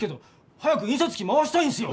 早く印刷機回したいんすよ！